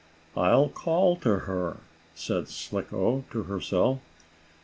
"I'll call to her," said Slicko to herself.